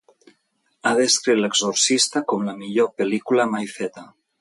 Ha descrit "L'exorcista" com "la millor pel·lícula mai feta".